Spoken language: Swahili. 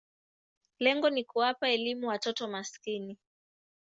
Lengo ni kuwapa elimu watoto maskini.